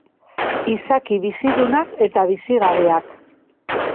Izaki bizidunak eta bizigabeak.